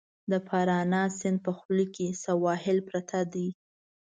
د پارانا سیند په خوله کې سواحل پراته دي.